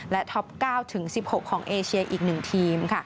และท็อป๙๑๖ของเอเชียอีก๑ทีม